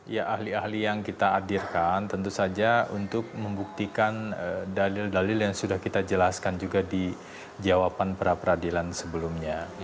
ya ahli ahli yang kita hadirkan tentu saja untuk membuktikan dalil dalil yang sudah kita jelaskan juga di jawaban pra peradilan sebelumnya